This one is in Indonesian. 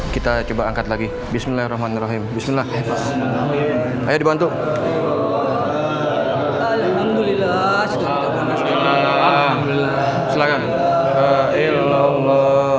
kita coba angkat lagi bismillahirrohmanirrohim bismillah ya dibantu alhamdulillah